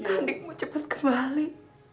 adikmu cepat kembali